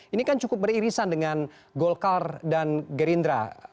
ini kan cukup beririsan dengan golkar dan gerindra